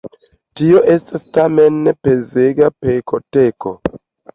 Tio estas tamen pezega pekoteko.